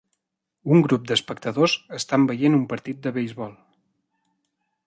Un grup d'espectadors estan veient un partit de beisbol.